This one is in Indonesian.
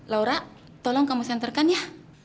laura tolong kamu senterkan ya